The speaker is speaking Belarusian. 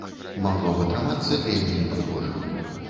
Магло б атрымацца вельмі непрыгожа.